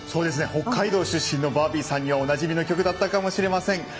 北海道出身のバービーさんには、おなじみの曲だったかもしれません。